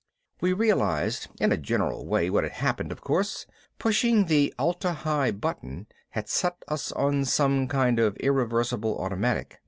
We realized in a general way what had happened, of course. Pushing the Atla Hi button had set us on some kind of irreversible automatic.